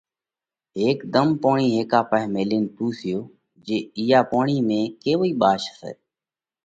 ھيڪ ڌم پوڻي ھيڪا پاھي ميلينَ پونسيو جي اِيئا پوڻِي ۾ ڪيوئي ٻاش سئہ؟